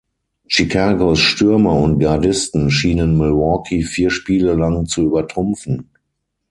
Chicagos Stürmer und Gardisten schienen Milwaukee vier Spiele lang zu übertrumpfen.